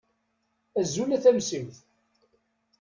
Azul a Tamsiwt.